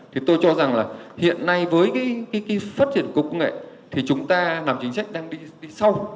thì tôi cho rằng là hiện nay với phát triển cục công nghệ thì chúng ta làm chính sách đang đi sau